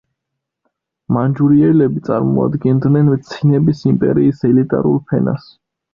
მანჯურიელები წარმოადგენდნენ ცინების იმპერიის ელიტარულ ფენას.